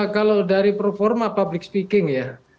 kalau dari performa public speaking ya